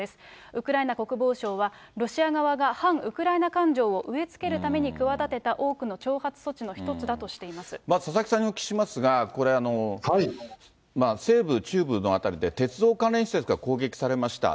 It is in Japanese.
ウクライナ国防省は、ロシア側が反ウクライナ感情を植え付けるために企てた多くの挑発佐々木さんにお聞きしますが、これ、西部、中部の辺りで、鉄道関連施設が攻撃されました。